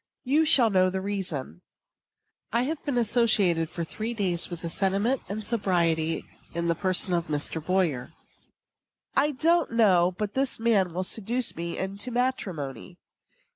You shall know the reason. I have been associated for three days with sentiment and sobriety in the person of Mr. Boyer. I don't know but this man will seduce me into matrimony.